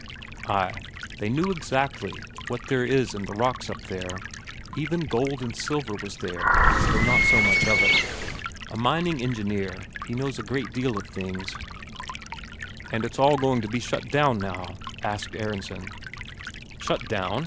Ay, they knew exactly what there was in the rocks up there even gold and silver was there, though not so much of it. A mining engineer, he knows a deal of things. "And it's all going to shut down now?" asked Aronsen. "Shut down?"